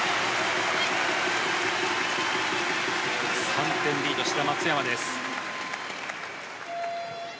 ３点リード志田・松山です。